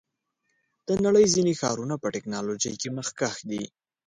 د نړۍ ځینې ښارونه په ټیکنالوژۍ کې مخکښ دي.